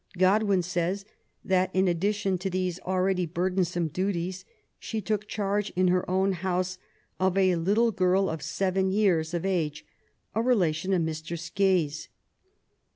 Godwin says that^ in addi tion to these already burdensome duties^ she took charge, in her own house, of a little girl of seven years of age, a relation of Mr. Skeys.